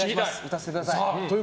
歌わせてください！